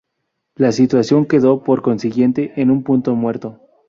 La situación quedó, por consiguiente, en un punto muerto.